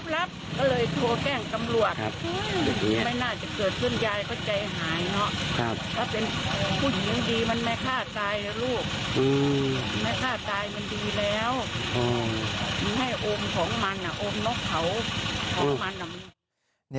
มันให้โอมของมันโอมนกเขาของมัน